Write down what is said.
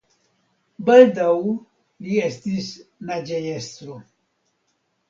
Baldaŭ li estis naĝejestro.